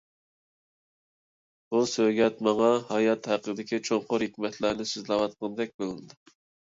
بۇ سۆگەت ماڭا ھايات ھەققىدىكى چوڭقۇر ھېكمەتلەرنى سۆزلەۋاتقاندەك بىلىنىدۇ.